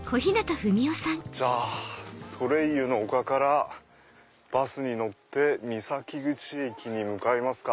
じゃあソレイユの丘からバスに乗って三崎口駅に向かいますか。